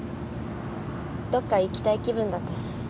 どっか行きたい気分だったし。